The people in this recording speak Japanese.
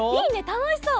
たのしそう。